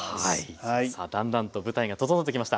さあだんだんと舞台が整ってきました。